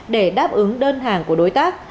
để đáp ứng đơn hàng của đối tác